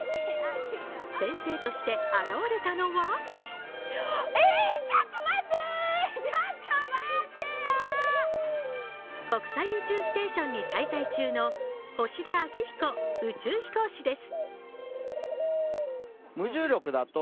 先生として現れたのは国際宇宙ステーションに滞在中の星出彰彦宇宙飛行士です。